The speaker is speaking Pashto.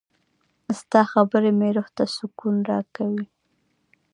• ستا خبرې مې روح ته سکون راکوي.